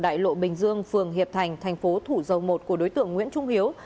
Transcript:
đại lộ bình dương phường hiệp thành thành phố thủ dầu một của đối tượng nguyễn trung hiếu